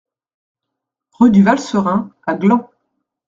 Rue du Val Serein à Gland